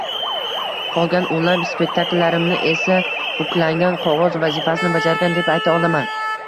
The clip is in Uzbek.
qolgan o‘nlab spektakllarimni esa “buklangan qog‘oz” vazifasini bajargan deb ayta olaman.